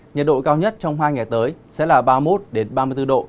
nhiệt độ cao nhất trong hai ngày tới sẽ là ba mươi một ba mươi bốn độ